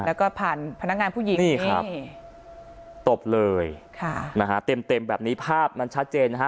แล้วก็ผ่านพนักงานผู้หญิงนี่ครับตบเลยค่ะนะฮะเต็มเต็มแบบนี้ภาพมันชัดเจนนะฮะ